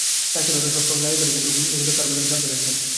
ডাক্তাররা তো সবসময় নাড়ি ধরে কিন্তু উনি তো তার বদলে সাপ ধরে আছেন।